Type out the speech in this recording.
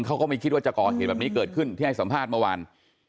เขาก็ไม่คิดว่าจะก่อเหตุแบบนี้เกิดขึ้นที่ให้สัมภาษณ์เมื่อวาน